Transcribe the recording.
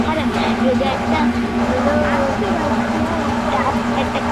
ওকে ফিরিয়ে আনব!